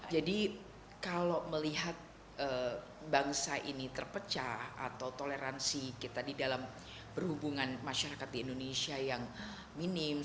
jadi kalau melihat bangsa ini terpecah atau toleransi kita di dalam berhubungan masyarakat di indonesia yang minim